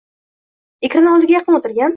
Ekran oldiga yaqin oʻtirgan